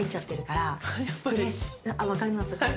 分かります？